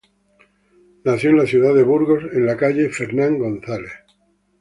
Nació en la ciudad de Burgos, en la calle Fernán González.